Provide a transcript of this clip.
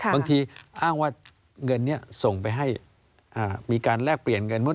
อ้างว่าเงินนี้ส่งไปให้มีการแลกเปลี่ยนเงิน